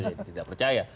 jadi tidak percaya